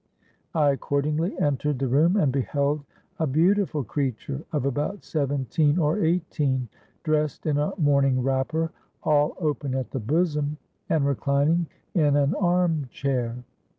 I accordingly entered the room and beheld a beautiful creature of about seventeen or eighteen, dressed in a morning wrapper, all open at the bosom, and reclining in an arm chair.